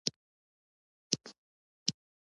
د ښار وضعیت ډېر عالي و.